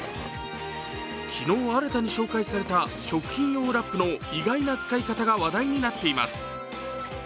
昨日、新たに紹介された食品用ラップの意外な使い方が話題になっています。